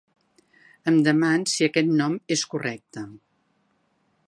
Em deman si aquest nom és correcte.